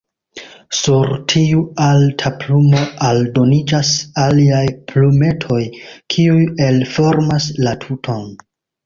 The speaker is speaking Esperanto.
Sur tiu alta plumo aldoniĝas aliaj plumetoj, kiuj elformas la tuton.